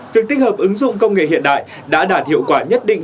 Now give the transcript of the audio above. việc tích hợp ứng dụng công nghệ hiện đại đã đạt hiệu quả nhất định